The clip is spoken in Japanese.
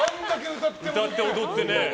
歌って踊ってね。